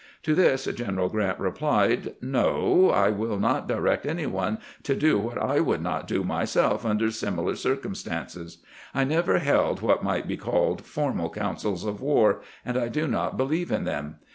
To this General Grant replied :" No ; I will not direct any one to do what I would not do myself under similar circumstances. I never held what might be called formal councils of war, and I do not believe in them.